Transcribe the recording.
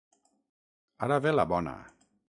Ara ve la bona.